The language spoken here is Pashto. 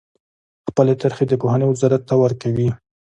خپلې طرحې د پوهنې وزارت ته ورکوي.